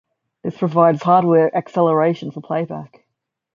This provides hardware-acceleration for playback.